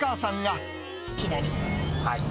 はい。